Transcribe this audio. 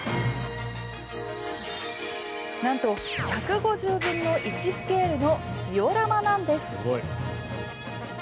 なんと、１５０分の１スケールのジオラマなんです。